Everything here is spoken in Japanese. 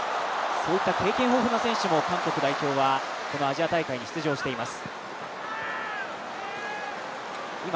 そういった経験豊富な選手も、韓国代表は、このアジア大会に出場しています。